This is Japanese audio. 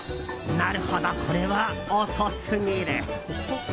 なるほど、これは遅すぎる。